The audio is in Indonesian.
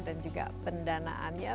dan juga pendanaannya